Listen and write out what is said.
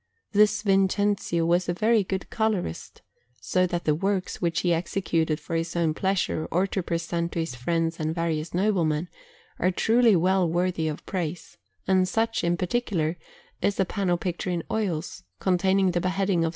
This Vincenzio was a very good colourist, so that the works which he executed for his own pleasure, or to present to his friends and various noblemen, are truly well worthy of praise; and such, in particular, is a panel picture in oils, containing the Beheading of S.